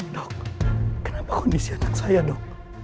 dok kenapa kondisi anak saya dok